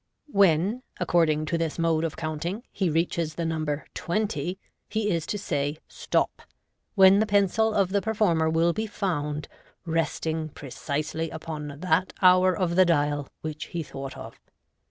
When, according to this mode of counting, he reaches the number " twenty," he is to say " Stop," when the pencil of the per former will be found resting precisely upon that hour of the dial which he thought of.